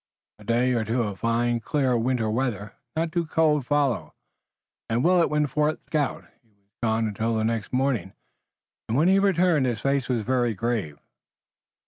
A day or two of fine, clear winter weather, not too cold, followed, and Willet went forth to scout. He was gone until the next morning and when he returned his face was very grave.